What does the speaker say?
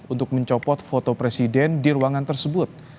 untuk mencopot foto presiden di ruangan tersebut